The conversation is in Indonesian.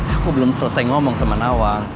aku belum selesai ngomong sama nawang